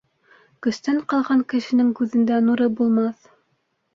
Көстән ҡалған кешенең күҙендә нуры булмаҫ.